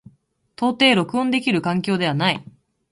到底録音できる環境ではない。